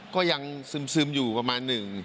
ก็ยังซึมอยู่ประมาณหนึ่ง